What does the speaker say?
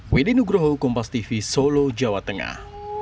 weddi nugroho kompas tv solo jawa tengah